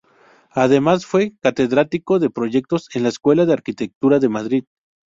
Además fue catedrático de Proyectos en la Escuela de Arquitectura de Madrid.